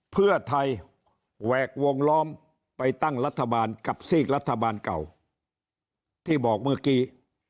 เพื่อไทยแหวกวงล้อมไปตั้งรัฐบาลกับซีกรัฐบาลเก่าที่บอกเมื่อกี้